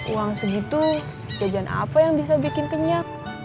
uang segitu jajan apa yang bisa bikin kenyat